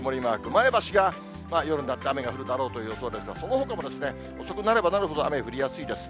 前橋が夜になって、雨が降るだろうという予想ですが、そのほかも、遅くなればなるほど雨が降りやすいです。